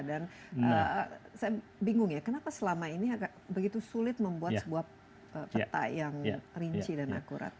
dan saya bingung ya kenapa selama ini agak begitu sulit membuat sebuah peta yang rinci dan akurat